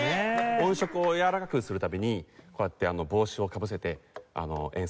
音色をやわらかくするためにこうやって帽子をかぶせて演奏しています。